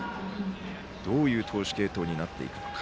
どういう投手継投になっていくのか。